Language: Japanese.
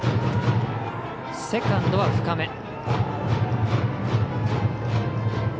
セカンドは深め。